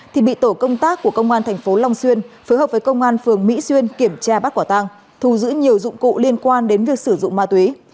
thì bị tổ công tác của công an thành phố long xuyên phối hợp với công an phường mỹ xuyên kiểm tra bắt quả tăng thù giữ nhiều dụng cụ liên quan đến việc sử dụng ma túy